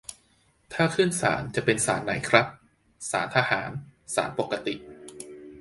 ถ้าขึ้นศาล จะเป็นศาลไหนครับ ศาลทหาร ศาลปกติ